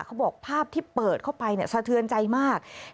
เขาบอกภาพที่เปิดเข้าไปสะเทือนใจมาก